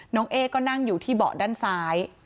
น้องเอ็กไลก็นั่งอยู่ที่เบาะด้านซ้าย